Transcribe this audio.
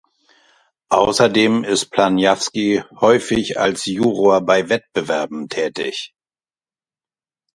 Außerdem ist Planyavsky häufig als Juror bei Wettbewerben tätig.